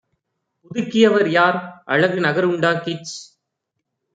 புதுக்கியவர் யார்? அழகு நகருண் டாக்கிச்